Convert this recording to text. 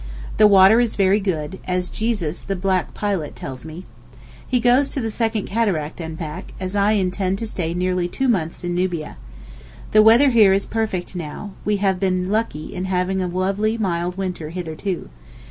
The water is very good, as Jesus the black pilot tells me. He goes to the second Cataract and back, as I intend to stay nearly two months in Nubia. The weather here is perfect now, we have been lucky in having a lovely mild winter hitherto.